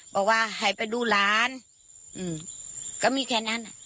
บอกว่าให้ไปดูหลานก็มีแค่นั้น